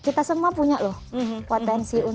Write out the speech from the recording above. kita semua punya loh potensi untuk